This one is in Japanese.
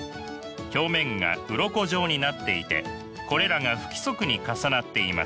表面がうろこ状になっていてこれらが不規則に重なっています。